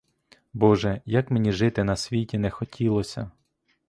Боже, як мені жити на світі не хотілося!